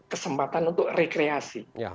kesempatan untuk rekreasi